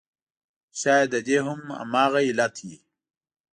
شاید د دې هم همغه علت وي.